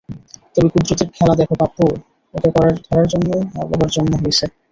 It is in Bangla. তবে কুদরতের খেলা দেখ পাপ্পু, ওকে ধরার জন্যই আবার জন্ম হইছে।